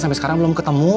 sampai sekarang belum ketemu